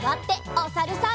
おさるさん。